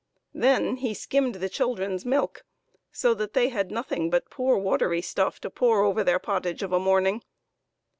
Then he skimmed the children's milk, so that they had nothing but poor watery stuff to pour over their pottage of a morning..